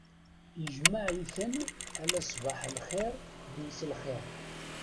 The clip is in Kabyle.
Ijmeɛ-iten ala sbaḥ lxir d mselxir.